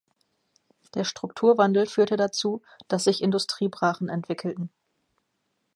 Der Strukturwandel führte dazu, dass sich Industriebrachen entwickelten.